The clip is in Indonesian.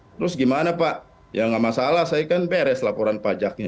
terus gimana pak ya nggak masalah saya kan beres laporan pajaknya